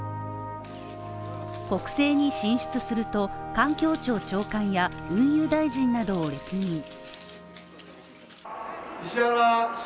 国政に進出すると環境庁長官や運輸大臣などを歴任。